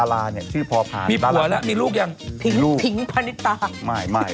คุณชอบผวัตนะ